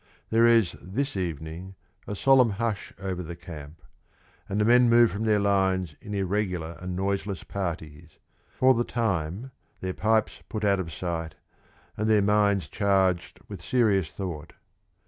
There is this evening a solemn hush over the camp, and the men move from their lines in irregular and noiseless parties, for the time their pipes put out of sight, and their minds charged with serious thought.